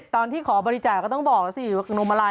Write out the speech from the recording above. ตอนที่ขอบริจาคก็ต้องบอกสิว่ากังโนมัลลาย